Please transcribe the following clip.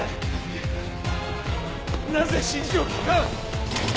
なぜ指示を聞かん！